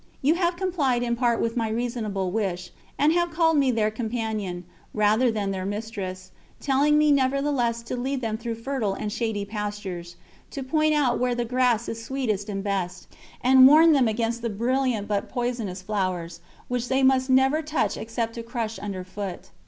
You have complied in part with my reasonable wish, and have called me their companion, rather than their mistress, telling me nevertheless to lead them through fertile and shady pastures, to point out where the grass is sweetest and best, and warn them against the brilliant but poisonous flowers, which they must never touch except to crush under foot.